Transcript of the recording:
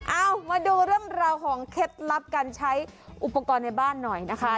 เอามาดูเรื่องราวของเคล็ดลับการใช้อุปกรณ์ในบ้านหน่อยนะคะ